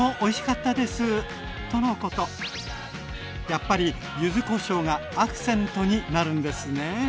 やっぱり柚子こしょうがアクセントになるんですね。